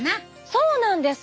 そうなんです。